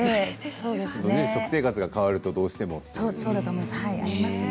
食生活が変わるとどうしてもってね。